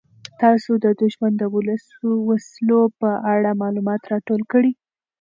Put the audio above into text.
تاسو د دښمن د وسلو په اړه معلومات راټول کړئ.